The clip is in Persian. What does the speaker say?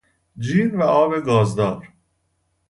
جین و آب گازدار